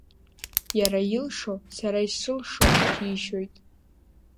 Иара илшо сара исылшо џьишьоит.